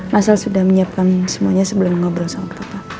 masal sudah menyiapkan semuanya sebelum ngobrol sama bapak